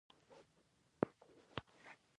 هرات د افغان کلتور په داستانونو کې راځي.